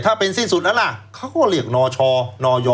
ถ้าเป็นสิ้นสุดแล้วล่ะเขาก็เรียกนชนย